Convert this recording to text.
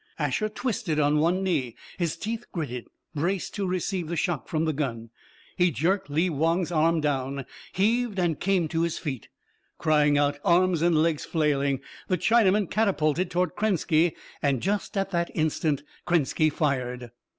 Asher twisted on one knee, his teeth gritted, braced to receive the shock from the gun. He jerked Lee Wong's arm down, heaved and came to his feet. Crying out, arms and legs flailing, the Chinaman catapulted toward Krenski and just at the instant Krenski fired!